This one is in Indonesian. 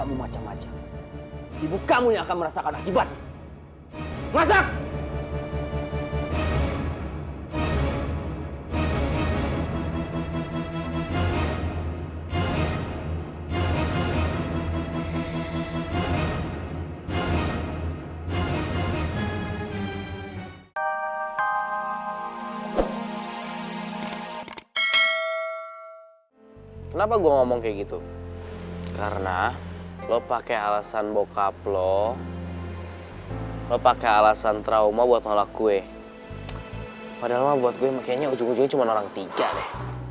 padahal buat gue kayaknya ujung ujungnya cuma orang tiga deh